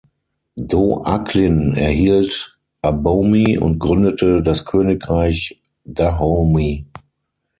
Do-Aklin erhielt Abomey und gründete das Königreich Dahomey.